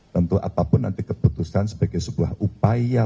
tentu apapun nanti keputusan sebagai sebuah upaya